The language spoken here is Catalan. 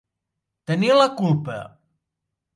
Tenir la culpa.